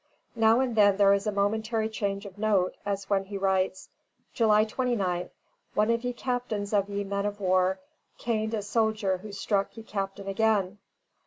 Now and then there is a momentary change of note, as when he writes: "July 29th. One of ye Captains of ye men of war caind a soldier who struck ye capt. again.